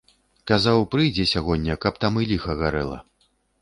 Казаў, прыйдзе сягоння, каб там і ліха гарэла.